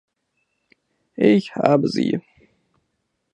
Ich habe sie!